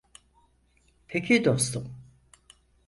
Peki dostum.